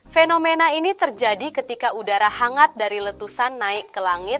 fenomena ini terjadi ketika udara hangat dari letusan naik ke langit